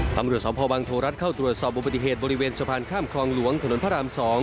ตำรวจสมภาวังโทรัสเข้าตรวจสอบอุบัติเหตุบริเวณสะพานข้ามคลองหลวงถนนพระราม๒